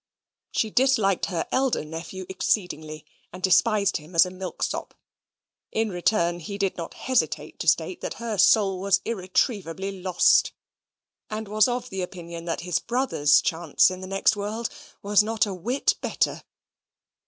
She disliked her elder nephew exceedingly, and despised him as a milksop. In return he did not hesitate to state that her soul was irretrievably lost, and was of opinion that his brother's chance in the next world was not a whit better.